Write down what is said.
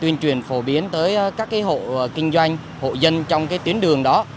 tuyên truyền phổ biến tới các hộ kinh doanh hộ dân trong tuyến đường đó